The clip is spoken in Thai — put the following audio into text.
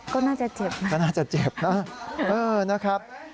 ก็น่าจะเจ็บ